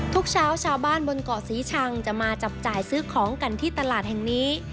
ทุกเช้าชาวบ้านบนเกาะศรีชังจะมาจับจ่ายซื้อของกันที่ตลาดแห่งนี้